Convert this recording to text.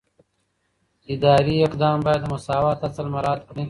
اداري اقدام باید د مساوات اصل مراعات کړي.